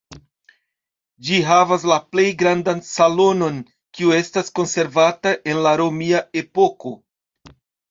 Ĝi havas la plej grandan salonon, kiu estas konservata el la romia epoko.